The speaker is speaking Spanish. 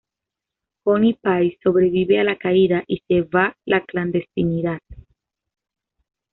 Honey Pie sobrevive a la caída y se va la clandestinidad.